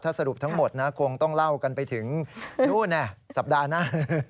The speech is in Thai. สรุปทั้งหมดนะคงต้องเล่ากันไปถึงนู่นสัปดาห์หน้า